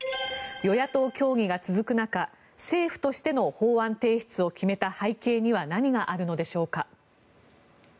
与野党協議が続く中政府としての法案提出を決めた背景には何があるのでしょうか。